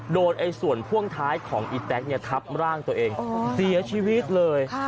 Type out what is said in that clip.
โดนส่วนพ่วงท้ายของอีแต๊กเนี่ยทับร่างตัวเองเสียชีวิตเลย